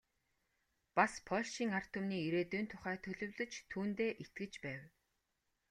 Бас польшийн ард түмний ирээдүйн тухай төлөвлөж, түүндээ итгэж байв.